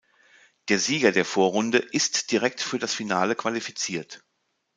Der Sieger der Vorrunde ist direkt für das Finale qualifiziert.